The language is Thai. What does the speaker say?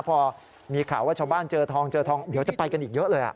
พอมีข่าวว่าชาวบ้านเจอทองเจอทองเดี๋ยวจะไปกันอีกเยอะเลย